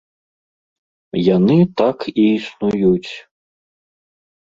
Яны так і існуюць.